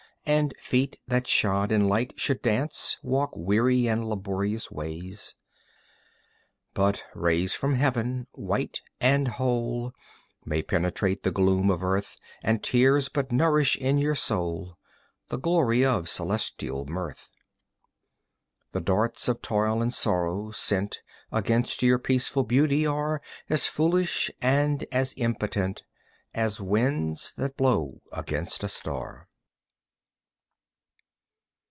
And feet that shod in light should dance Walk weary and laborious ways? But rays from Heaven, white and whole, May penetrate the gloom of earth; And tears but nourish, in your soul, The glory of celestial mirth. The darts of toil and sorrow, sent Against your peaceful beauty, are As foolish and as impotent As winds that blow against a star.